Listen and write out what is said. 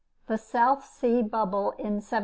THE SOUTH SEA BUBBLE IN 1720.